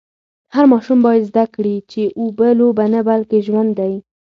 هر ماشوم باید زده کړي چي اوبه لوبه نه بلکې ژوند دی.